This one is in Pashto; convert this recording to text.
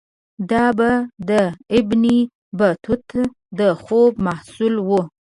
دا به د ابن بطوطه د خوب محصول وي.